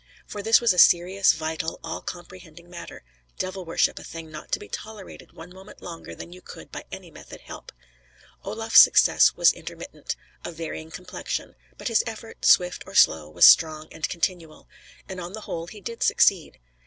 For this was a serious, vital, all comprehending matter: devil worship, a thing not to be tolerated one moment longer than you could by any method help! Olaf's success was intermittent, of varying complexion; but his effort, swift or slow, was strong and continual; and on the whole he did succeed.